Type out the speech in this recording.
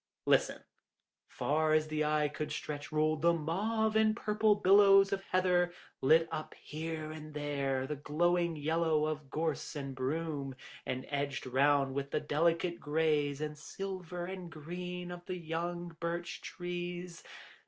Listen: 'Far as the eye could stretch rolled the mauve and purple billows of heather, lit up here and there with the glowing yellow of gorse and broom, and edged round with the delicate greys and silver and green of the young birch trees.